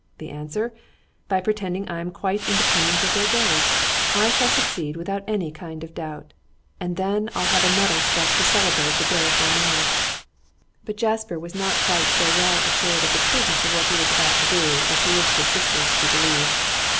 The answer: By pretending I am quite independent of their gaze. I shall succeed, without any kind of doubt; and then I'll have a medal struck to celebrate the day of my marriage.' But Jasper was not quite so well assured of the prudence of what he was about to do as he wished his sisters to believe.